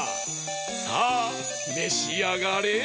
さあめしあがれ！